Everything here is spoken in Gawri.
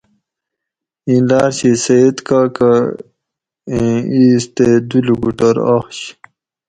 ایں لاۤر شی سید کاکا ایں اِیس تے دوُ لوکوٹور آش